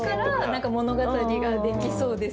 何か物語ができそうですよね。